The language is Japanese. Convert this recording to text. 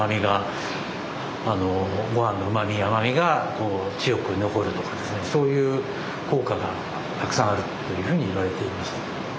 こう強く残るとかですねそういう効果がたくさんあるというふうに言われています。